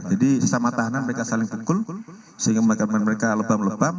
jadi sama tahanan mereka saling pukul sehingga mereka lebam lebam